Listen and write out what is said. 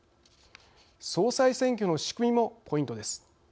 総裁選挙の仕組みもポイントです。